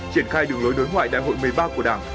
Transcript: triển khai đường lối đối ngoại đại hội một mươi ba của đảng